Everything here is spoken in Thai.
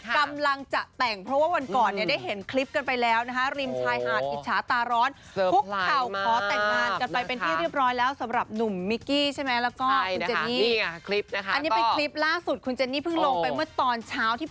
กำลังจะแต่งเพราะว่าวันบ่อยได้เห็นคลิปกันไปแล้ว